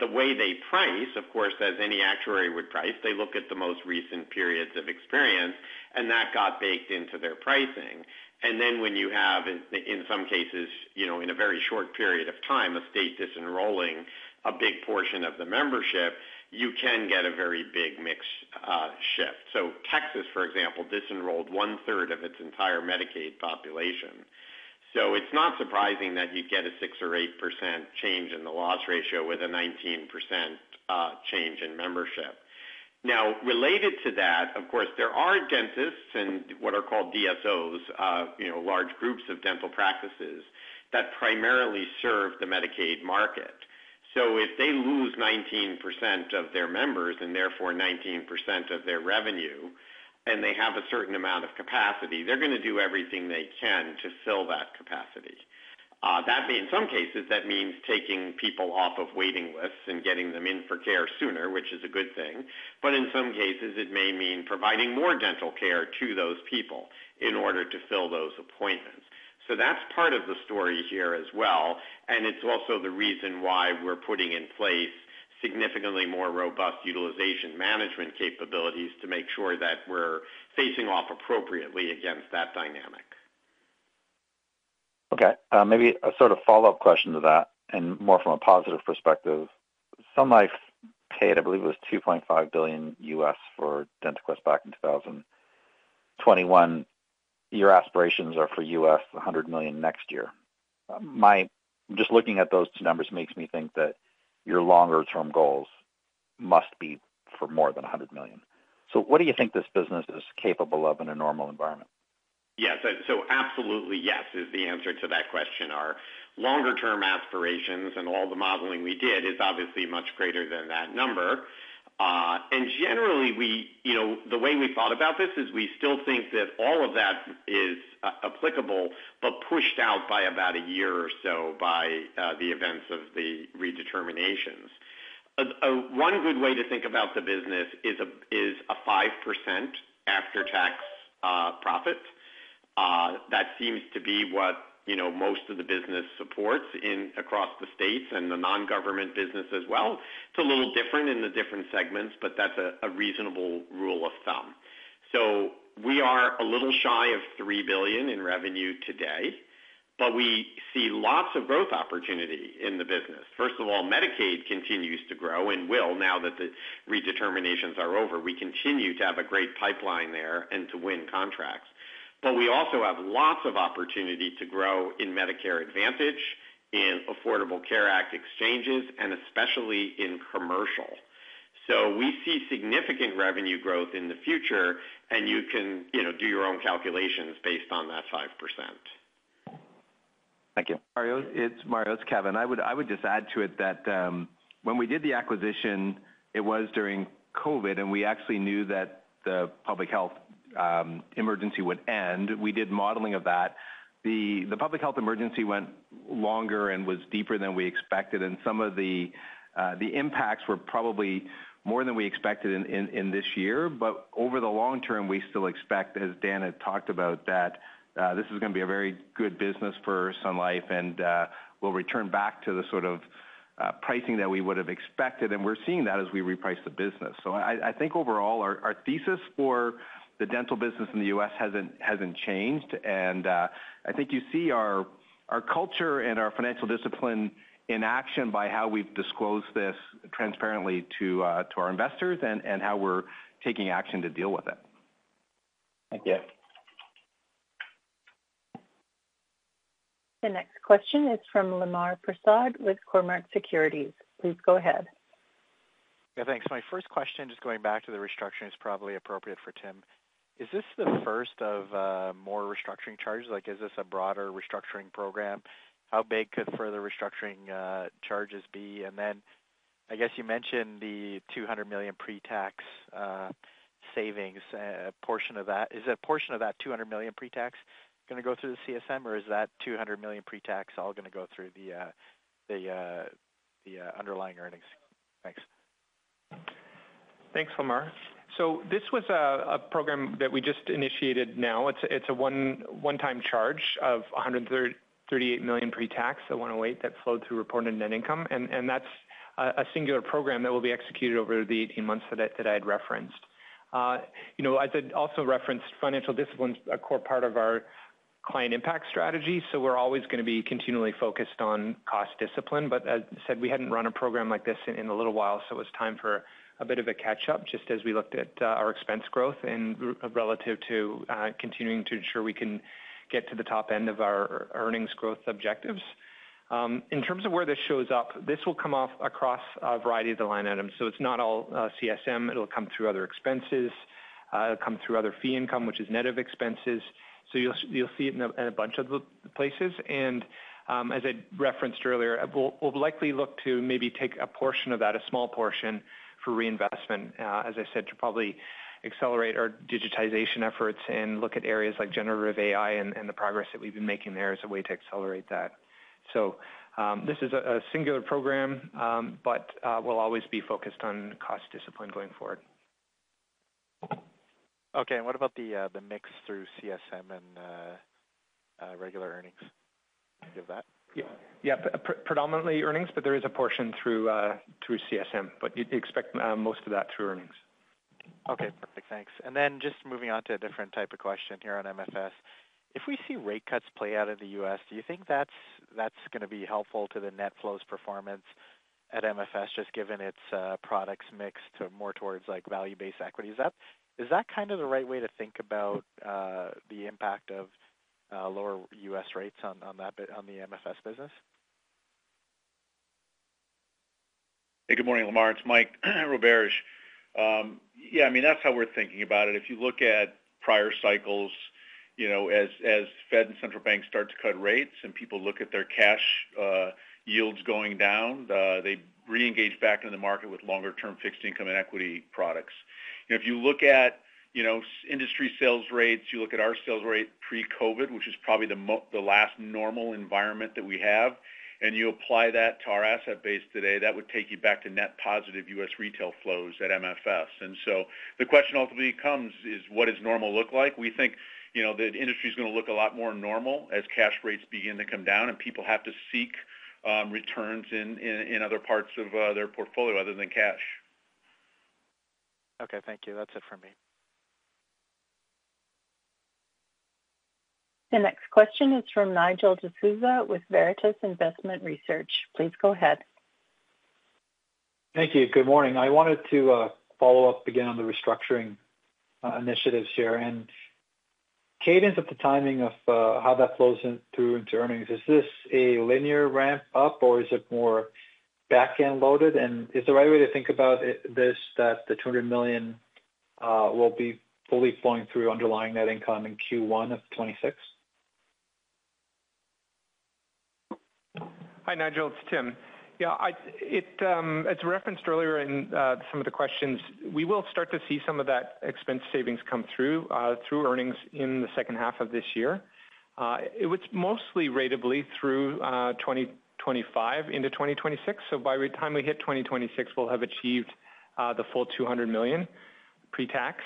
the way they price, of course, as any actuary would price, they look at the most recent periods of experience, and that got baked into their pricing. And then when you have, in, in some cases, you know, in a very short period of time, a state disenrolling a big portion of the membership, you can get a very big mix shift. So Texas, for example, disenrolled one-third of its entire Medicaid population. So it's not surprising that you get a 6% or 8% change in the loss ratio with a 19% change in membership. Now, related to that, of course, there are dentists and what are called DSOs, you know, large groups of dental practices that primarily serve the Medicaid market. So if they lose 19% of their members and therefore 19% of their revenue, and they have a certain amount of capacity, they're going to do everything they can to fill that capacity. That may, in some cases, that means taking people off of waiting lists and getting them in for care sooner, which is a good thing. But in some cases, it may mean providing more dental care to those people in order to fill those appointments. So that's part of the story here as well, and it's also the reason why we're putting in place significantly more robust utilization management capabilities to make sure that we're facing off appropriately against that dynamic. Okay, maybe a sort of follow-up question to that, and more from a positive perspective. Sun Life paid, I believe, it was $2.5 billion for DentaQuest back in 2021. Your aspirations are for $100 million next year. My-- just looking at those two numbers makes me think that your longer-term goals must be for more than $100 million. So what do you think this business is capable of in a normal environment? Yes. So absolutely yes, is the answer to that question. Our longer-term aspirations and all the modeling we did is obviously much greater than that number. And generally, we... You know, the way we thought about this is we still think that all of that is applicable, but pushed out by about a year or so by the events of the redeterminations. One good way to think about the business is a 5% after-tax profit. That seems to be what, you know, most of the business supports in across the states and the non-government business as well. It's a little different in the different segments, but that's a reasonable rule of thumb. So we are a little shy of $3 billion in revenue today, but we see lots of growth opportunity in the business. First of all, Medicaid continues to grow and will, now that the redeterminations are over. We continue to have a great pipeline there and to win contracts. But we also have lots of opportunity to grow in Medicare Advantage, in Affordable Care Act exchanges, and especially in commercial. So we see significant revenue growth in the future, and you can, you know, do your own calculations based on that 5%. Thank you. Mario, it's Mario, it's Kevin. I would just add to it that, when we did the acquisition, it was during COVID, and we actually knew that the public health emergency would end. We did modeling of that. The public health emergency went longer and was deeper than we expected, and some of the impacts were probably more than we expected in this year. But over the long term, we still expect, as Dan had talked about, that this is going to be a very good business for Sun Life, and we'll return back to the sort of pricing that we would have expected, and we're seeing that as we reprice the business. I think overall, our thesis for the Dental business in the U.S. hasn't changed, and I think you see our culture and our financial discipline in action by how we've disclosed this transparently to our investors and how we're taking action to deal with it. Thank you. The next question is from Lemar Persaud with Cormark Securities. Please go ahead. Yeah, thanks. My first question, just going back to the restructuring, is probably appropriate for Tim. Is this the first of more restructuring charges? Like, is this a broader restructuring program? How big could further restructuring charges be? And then I guess you mentioned the 200 million pre-tax savings portion of that. Is a portion of that 200 million pre-tax going to go through the CSM, or is that 200 million pre-tax all going to go through the underlying earnings? Thanks. Thanks, Lemar. So this was a program that we just initiated now. It's a one-time charge of 138 million pre-tax, so 108 million, that flowed through reported net income, and that's a singular program that will be executed over the 18 months that I had referenced. You know, I did also reference financial discipline, a core part of our client impact strategy, so we're always going to be continually focused on cost discipline. But as I said, we hadn't run a program like this in a little while, so it was time for a bit of a catch-up, just as we looked at our expense growth and relative to continuing to ensure we can get to the top end of our earnings growth objectives. In terms of where this shows up, this will come off across a variety of the line items. So it's not all, CSM. It'll come through other expenses. It'll come through other fee income, which is net of expenses. So you'll, you'll see it in a, in a bunch of the places. And, as I referenced earlier, we'll, we'll likely look to maybe take a portion of that, a small portion, for reinvestment, as I said, to probably accelerate our digitization efforts and look at areas like generative AI and, and the progress that we've been making there as a way to accelerate that. So, this is a, a singular program, but, we'll always be focused on cost discipline going forward.... Okay, and what about the mix through CSM and regular earnings of that? Yeah, predominantly earnings, but there is a portion through CSM, but you'd expect most of that through earnings. Okay, perfect. Thanks. And then just moving on to a different type of question here on MFS. If we see rate cuts play out in the U.S., do you think that's, that's gonna be helpful to the net flows performance at MFS, just given its, products mix to more towards, like, value-based equities? Is that, is that kind of the right way to think about, the impact of, lower U.S. rates on, on that bit, on the MFS business? Hey, good morning, Lemar. It's Mike Roberge. Yeah, I mean, that's how we're thinking about it. If you look at prior cycles, you know, as Fed and central banks start to cut rates and people look at their cash yields going down, they reengage back in the market with longer term fixed income and equity products. If you look at, you know, industry sales rates, you look at our sales rate pre-COVID, which is probably the last normal environment that we have, and you apply that to our asset base today, that would take you back to net positive U.S. retail flows at MFS. And so the question ultimately comes is: What does normal look like? We think, you know, the industry is gonna look a lot more normal as cash rates begin to come down and people have to seek returns in other parts of their portfolio other than cash. Okay, thank you. That's it for me. The next question is from Nigel D'Souza with Veritas Investment Research. Please go ahead. Thank you. Good morning. I wanted to follow up again on the restructuring initiatives here and cadence of the timing of how that flows in through into earnings. Is this a linear ramp up, or is it more back-end loaded? Is the right way to think about it, this, that the 200 million will be fully flowing through underlying net income in Q1 of 2026? Hi, Nigel, it's Tim. Yeah, as referenced earlier in some of the questions, we will start to see some of that expense savings come through through earnings in the second half of this year. It was mostly ratably through 2025 into 2026, so by the time we hit 2026, we'll have achieved the full 200 million pre-tax.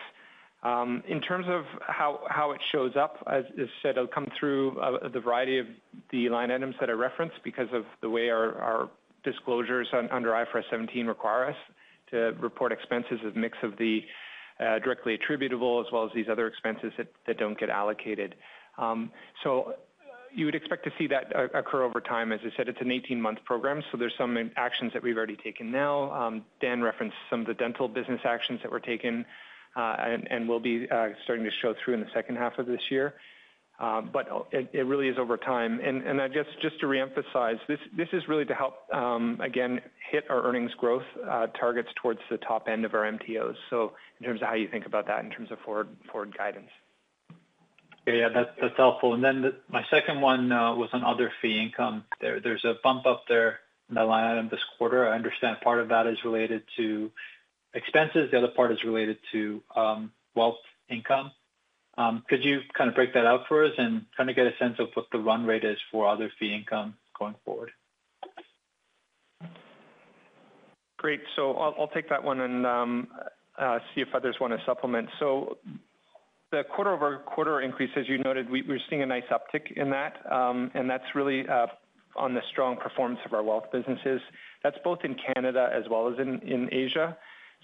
In terms of how it shows up, as is said, it'll come through a variety of the line items that I referenced because of the way our disclosures under IFRS 17 require us to report expenses as a mix of the directly attributable, as well as these other expenses that don't get allocated. So you would expect to see that occur over time. As I said, it's an 18-month program, so there's some actions that we've already taken now. Dan referenced some of the Dental business actions that were taken, and, and will be, starting to show through in the second half of this year. But it, it really is over time. And, and I just, just to reemphasize, this, this is really to help, again, hit our earnings growth, targets towards the top end of our MTOs. So in terms of how you think about that, in terms of forward, forward guidance. Yeah, that's, that's helpful. And then my second one was on other fee income. There, there's a bump up there in the line item this quarter. I understand part of that is related to expenses, the other part is related to wealth income. Could you kind of break that out for us and kind of get a sense of what the run rate is for other fee income going forward? Great. So I'll take that one and see if others want to supplement. So the quarter-over-quarter increase, as you noted, we're seeing a nice uptick in that. And that's really on the strong performance of our wealth businesses. That's both in Canada as well as in Asia.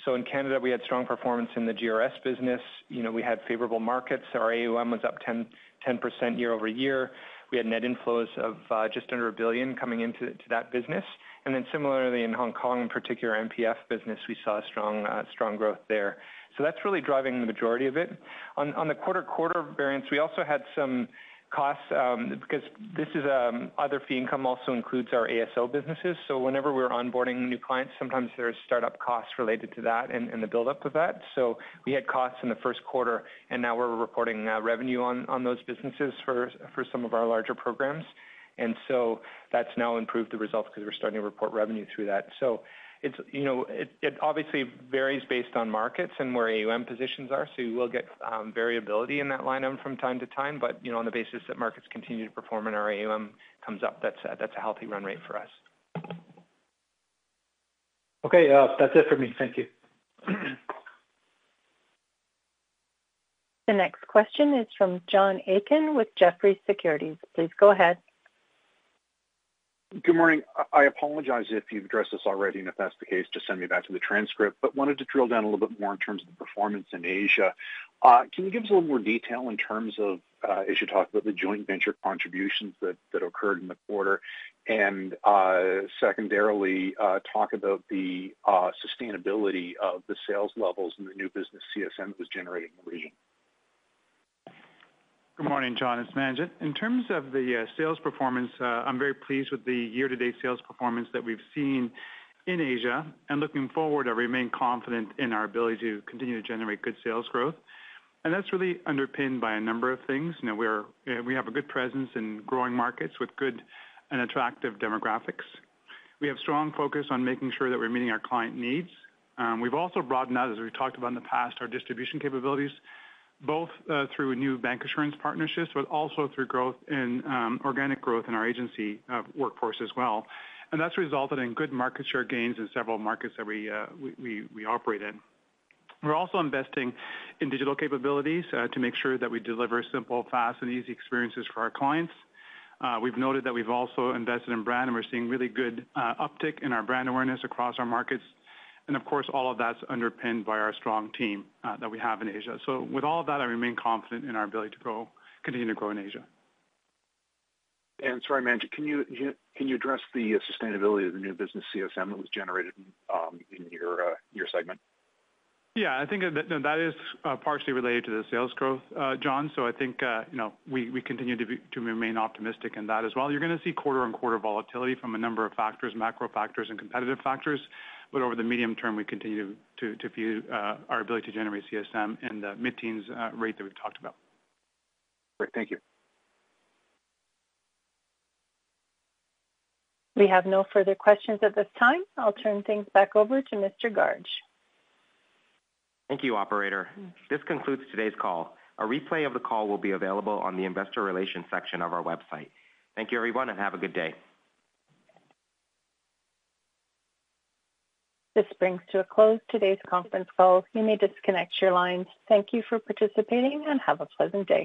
So in Canada, we had strong performance in the GRS business. You know, we had favorable markets. Our AUM was up 10% year-over-year. We had net inflows of just under 1 billion coming into that business. And then similarly in Hong Kong, in particular, MPF business, we saw strong growth there. So that's really driving the majority of it. On the quarter-over-quarter variance, we also had some costs because this is other fee income also includes our ASO businesses. So whenever we're onboarding new clients, sometimes there are startup costs related to that and the buildup of that. So we had costs in the first quarter, and now we're reporting revenue on those businesses for some of our larger programs. And so that's now improved the results because we're starting to report revenue through that. So it's, you know, it obviously varies based on markets and where AUM positions are, so you will get variability in that line item from time to time. But, you know, on the basis that markets continue to perform and our AUM comes up, that's a healthy run rate for us. Okay. That's it for me. Thank you. The next question is from John Aiken with Jefferies Securities. Please go ahead. Good morning. I apologize if you've addressed this already, and if that's the case, just send me back to the transcript. But wanted to drill down a little bit more in terms of the performance in Asia. Can you give us a little more detail in terms of, as you talked about the joint venture contributions that occurred in the quarter? And, secondarily, talk about the sustainability of the sales levels and the new business CSM was generating in the region? Good morning, John, it's Manjit. In terms of the sales performance, I'm very pleased with the year-to-date sales performance that we've seen in Asia and looking forward, I remain confident in our ability to continue to generate good sales growth. And that's really underpinned by a number of things. You know, we're we have a good presence in growing markets with good and attractive demographics. We have strong focus on making sure that we're meeting our client needs. We've also broadened out, as we talked about in the past, our distribution capabilities, both through new bank insurance partnerships, but also through growth in organic growth in our agency workforce as well. And that's resulted in good market share gains in several markets that we operate in. We're also investing in digital capabilities to make sure that we deliver simple, fast, and easy experiences for our clients. We've noted that we've also invested in brand, and we're seeing really good uptick in our brand awareness across our markets. And of course, all of that's underpinned by our strong team that we have in Asia. So with all of that, I remain confident in our ability to grow, continue to grow in Asia. Sorry, Manjit, can you, can you address the sustainability of the new business CSM that was generated in your, your segment? Yeah, I think that is partially related to the sales growth, John. So I think, you know, we continue to remain optimistic in that as well. You're gonna see quarter-on-quarter volatility from a number of factors, macro factors and competitive factors, but over the medium term, we continue to view our ability to generate CSM in the mid-teens rate that we've talked about. Great. Thank you. We have no further questions at this time. I'll turn things back over to Mr. Garg. Thank you, operator. This concludes today's call. A replay of the call will be available on the investor relations section of our website. Thank you, everyone, and have a good day. This brings to a close today's conference call. You may disconnect your lines. Thank you for participating, and have a pleasant day.